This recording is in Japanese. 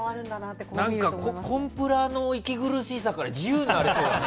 コンプラの息苦しさから自由になれそうですね。